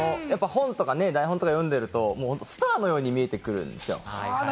台本とか読んでると、スターのように見えてくるんですよ。